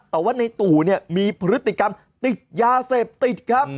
แต่ว่าในตู่มีผลิติกรรมติดยาเสพติดกันครับ